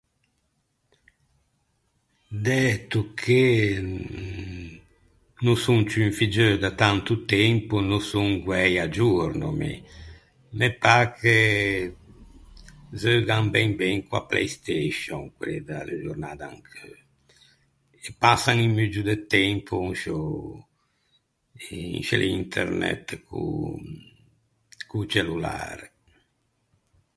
Dæto che no son ciù un figgeu da tanto tempo no son guæi à giorno mi. Me pâ che zeugan ben ben co-a Playstation quelli da giornâ d’ancheu. E passan un muggio de tempo in sciô in sce l’Internet co- co-o cellulare.